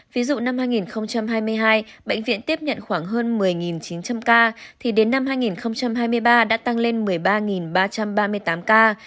ví dụ năm hai nghìn hai mươi hai bệnh viện tiếp nhận khoảng hơn một mươi chín trăm linh ca thì đến năm hai nghìn hai mươi ba đã tăng lên một mươi ba ba trăm ba mươi tám ca